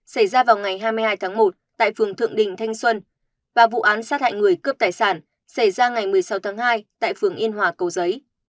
xảy ra vào ngày hai mươi hai tháng một tại phường thượng đình thanh xuân và vụ án sát hại người cướp tài sản xảy ra ngày một mươi sáu tháng hai tại phường yên hòa cầu giấy